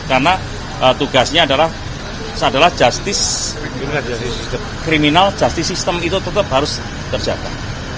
karena tugasnya adalah adalah justice kriminal justice system itu tetap harus terjaga